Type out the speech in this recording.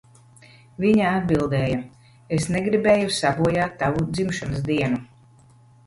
Viņa atbildēja, "Es negribēju sabojāt tavu dzimšanas dienu."